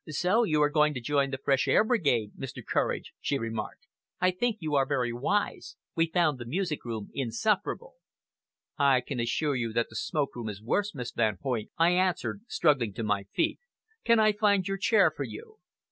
"So you are going to join the fresh air brigade, Mr. Courage," she remarked. "I think you are very wise. We found the music room insufferable." "I can assure you that the smoke room is worse, Miss Van Hoyt," I answered, struggling to my feet. "Can I find your chair for you?"